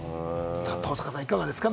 登坂さん、いかがですか？